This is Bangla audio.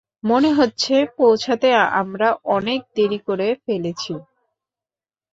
মনে হচ্ছে পৌঁছাতে আমরা অনেক দেরি করে ফেলেছি।